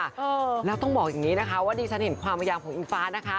เออแล้วต้องบอกอย่างนี้นะคะว่าดิฉันเห็นความพยายามของอิงฟ้านะคะ